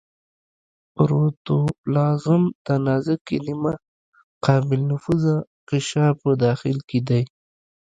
پروتوپلازم د نازکې نیمه قابل نفوذ غشا په داخل کې دی.